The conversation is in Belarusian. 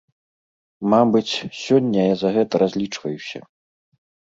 Мабыць, сёння я за гэта разлічваюся.